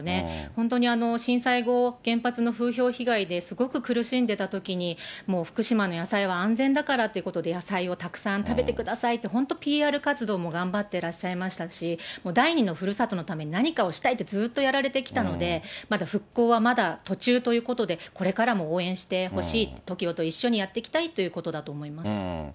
本当に震災後、原発の風評被害ですごく苦しんでたときに、もう福島の野菜は安全だからということで、野菜をたくさん食べてくださいって本当、ＰＲ活動も頑張ってらっしゃいましたし、第２のふるさとのために何かをしたいってずっとやられてきたので、復興はまだ途中ということで、これからも応援してほしい、ＴＯＫＩＯと一緒にやっていきたいということだと思います。